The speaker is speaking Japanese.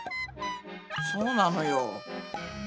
そうなのよ。